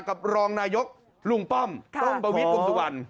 กับรองนายกลุงป้อมป้อมประวิทย์วงสุวรรณ